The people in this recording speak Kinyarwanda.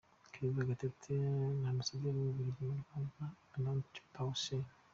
Claver Gatete na Ambasaderi w’u Bubiligi mu Rwanda Arnout Pauwels.